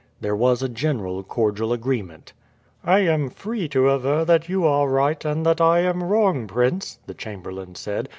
There was a general cordial agreement. "I am free to aver that you are right and that I am wrong, prince," the chamberlain said.